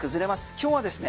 今日はですね